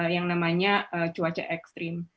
yang namanya cuaca ekstrim